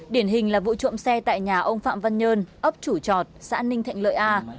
điển hình là vụ trộm xe tại nhà ông phạm văn nhơn ấp chủ trọt xã ninh thạnh lợi a